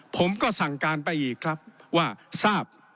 ผมก็สั่งการไปอีกครับว่าทราบ